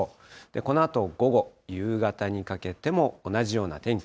このあと午後、夕方にかけても、同じような天気。